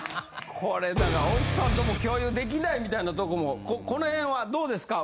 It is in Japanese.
・これだから奥さんとも共有できないみたいなとこもこの辺はどうですか？